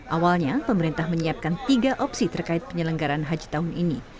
awalnya pemerintah menyiapkan tiga opsi terkait penyelenggaran haji tahun ini